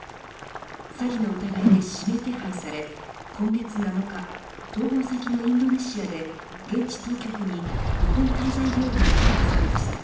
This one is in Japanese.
詐欺の疑いで指名手配され今月７日逃亡先のインドネシアで現地当局に不法滞在容疑で逮捕されました。